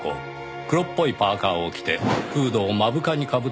黒っぽいパーカを着てフードを目深にかぶっていた。